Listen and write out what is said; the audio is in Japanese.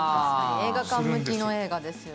映画館向きの映画ですよね。